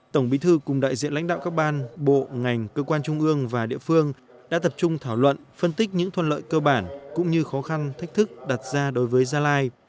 tổng bí thư cùng đại diện lãnh đạo các ban bộ ngành cơ quan trung ương và địa phương đã tập trung thảo luận phân tích những thuận lợi cơ bản cũng như khó khăn thách thức đặt ra đối với gia lai